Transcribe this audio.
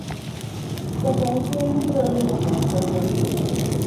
Jatend piny biro limo gweng’ ka gweng’